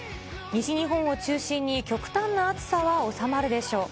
西日本を中心に極端な暑さは収まるでしょう。